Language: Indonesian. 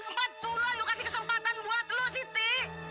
empat bulan lo kasih kesempatan buat lo siti